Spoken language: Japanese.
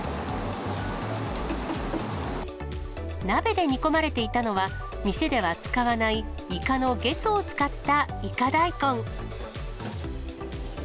鍋で煮込まれていたのは、店では使わない、いかのげそを使ったいか大根。